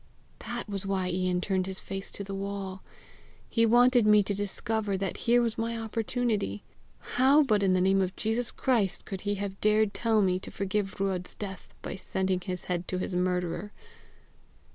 That was why Ian turned his face to the wall: he wanted me to discover that here was my opportunity! How but in the name of Jesus Christ could he have dared tell me to forgive Ruadh's death by sending his head to his murderer!